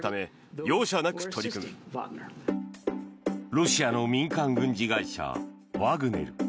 ロシアの民間軍事会社ワグネル。